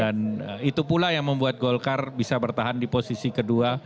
itu pula yang membuat golkar bisa bertahan di posisi kedua